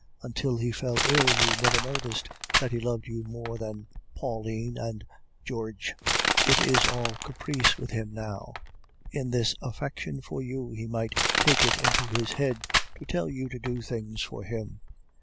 Until he fell ill you never noticed that he loved you more than Pauline and Georges. It is all caprice with him now. In his affection for you he might take it into his head to tell you to do things for him.